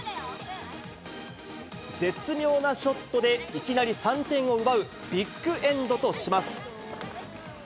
絶妙なショットでいきなり３点を奪うビッグエンドとします。